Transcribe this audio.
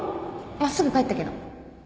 真っすぐ帰ったけど